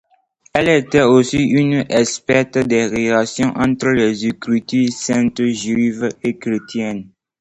Elle était aussi une experte des relations entre les écritures saintes juives et chrétiennes.